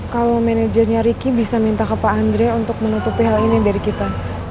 kalau manajernya ricky bisa minta ke pak andre untuk menutupi hal ini dari kita